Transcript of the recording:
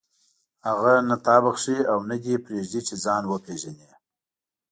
هغه نه تا بخښي او نه دې پرېږدي چې ځان وپېژنې.